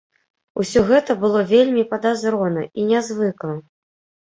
Усё гэта было вельмі падазрона і нязвыкла.